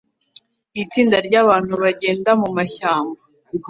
Itsinda ryabantu bagenda mumashyamba